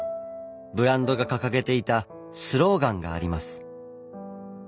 ブランドが掲げていたスローガンがあります。